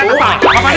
gak ada pak de